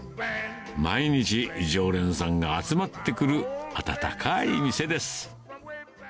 毎日、常連さんが集まってくる、温かい店です。